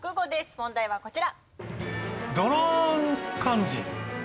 問題はこちら。